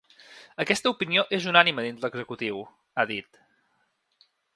Aquesta opinió és unànime dins l’executiu, ha dit.